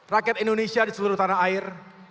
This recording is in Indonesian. rakyat indonesia di seluruh tanah air